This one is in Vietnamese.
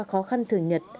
khó khăn thường nhật